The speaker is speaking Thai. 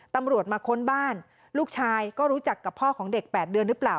ตำรวจมาค้นบ้านลูกชายก็รู้จักกับพ่อของเด็ก๘เดือนหรือเปล่า